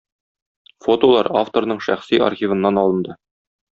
Фотолар авторның шәхси архивыннан алынды.